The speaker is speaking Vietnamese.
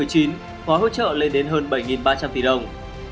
gói hỗ trợ lên đến hơn bảy ba trăm linh tỷ đồng